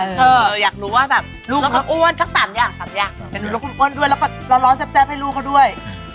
ลดความอ้วนด้วยแล้วก็ร้อนแซ่บให้ลูกเขาด้วย